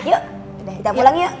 yaudah kita pulang yuk